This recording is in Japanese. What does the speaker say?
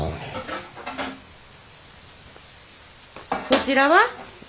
そちらは？